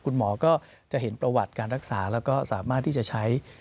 คุณหมอก็จะเห็นประวัติการรักษาแล้วก็สามารถที่จะใช้